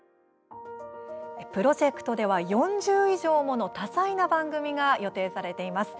プロジェクトでは４０以上もの多彩な番組が予定されています。